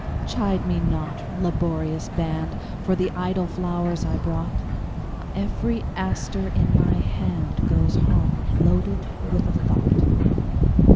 Chide me not, laborious band, For the idle flowers I brought; Every aster in my handGoes home loaded with a thought.